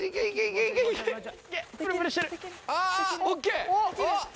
・ＯＫ！